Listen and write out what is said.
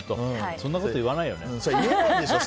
そんなこと言わないよね。